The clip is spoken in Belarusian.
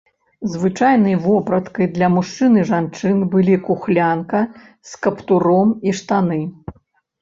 Звычайнай вопраткай для мужчын і жанчын былі кухлянка з каптуром і штаны.